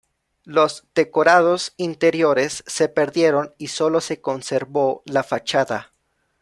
Los decorados interiores se perdieron y solo se conservó la fachada.